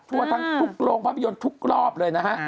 ชั่วทางทุกโรงพับยนต์ทุกรอบเลยนะฮะ